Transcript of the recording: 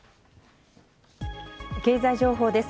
経済情報です。